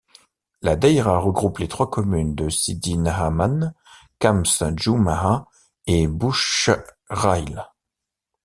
La daïra regroupe les trois communes de Sidi Naamane, khams Djouamaa et Bouchrahil.